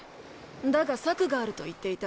だが策があると言っていた。